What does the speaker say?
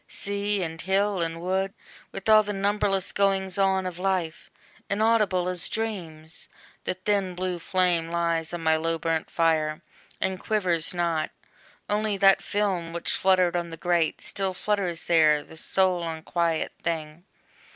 Sea, and hill, and wood, With all the numberless goings on of life, Inaudible as dreams! the thin blue flame Lies on my low burnt fire, and quivers not; Only that film, which fluttered on the grate, Still flutters there, the sole unquiet thing.